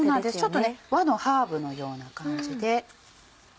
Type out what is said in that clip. ちょっと和のハーブのような感じで。